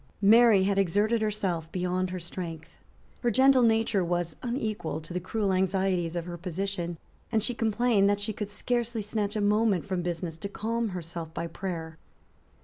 Mary had exerted herself beyond her strength. Her gentle nature was unequal to the cruel anxieties of her position; and she complained that she could scarcely snatch a moment from business to calm herself by prayer.